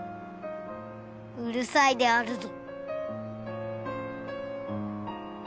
うるさいであるぞ。